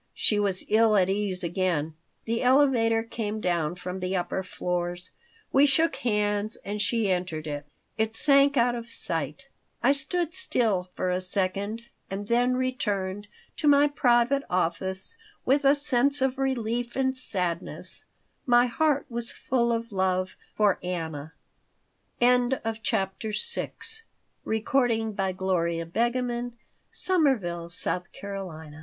She was ill at ease again The elevator came down from the upper floors. We shook hands and she entered it. It sank out of sight. I stood still for a second and then returned to my private office with a sense of relief and sadness. My heart was full of love for Anna CHAPTER VII IN a vague, timid way I had been planning to propose to Anna all along.